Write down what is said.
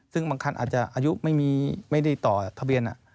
ซึ่งบางคันอาจจะอายุไม่ได้ต่อทะเบียน